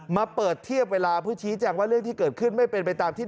มาเปิดเทียบเวลาเพื่อชี้แจงว่าเรื่องที่เกิดขึ้นไม่เป็นไปตามที่